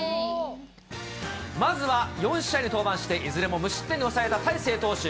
まずは４試合に登板して、いずれも無失点に抑えた大勢投手。